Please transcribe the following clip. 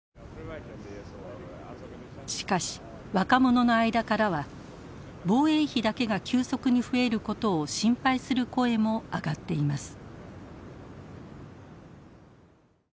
しかし若者の間からは防衛費だけが急速に増えることを心配する声も上がっています。